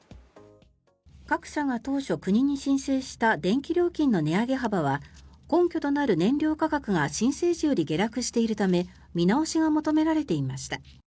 各社が当初、国に申請した電気料金の値上げ幅は根拠となる燃料価格が申請時より下落しているため見直しが求められていました。